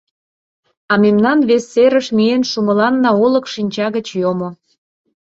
А мемнан вес серыш миен шумыланна олык шинча гыч йомо.